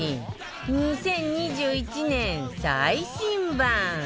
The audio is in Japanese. ２０２１年最新版